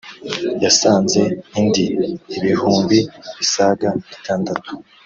yasanze indi ibihumbi bisaga bitandatu